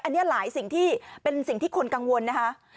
อันนี้หลายสิ่งที่เป็นสิ่งที่คนกังวลนะคะ